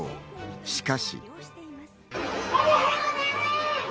しかし。